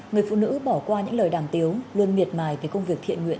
người phụ nữ bỏ qua những lời đàm tiếng luôn miệt mài về công việc thiện nguyện